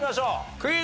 クイズ。